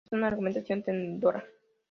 Esta es una argumentación tentadora.